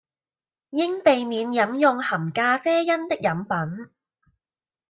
應避免飲用含咖啡因的飲品